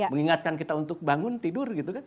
mengingatkan kita untuk bangun tidur gitu kan